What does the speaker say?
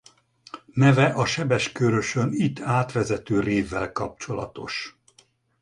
Neve a Sebes-Körösön itt átvezető révvel kapcsolatos.